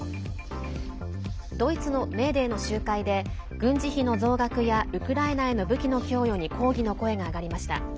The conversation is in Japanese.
ドイツのメーデーの集会で軍事費の増額やウクライナへの武器の供与に抗議の声が上がりました。